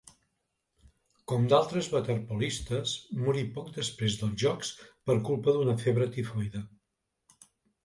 Com d'altres waterpolistes, morí poc després dels Jocs per culpa d'una febre tifoide.